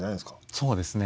そうですね。